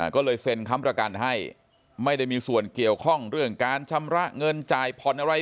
ก็เลยเซ็นค้ำประกันให้ไม่ได้มีส่วนเกี่ยวข้องเรื่องการชำระเงินจ่ายผ่อนอะไร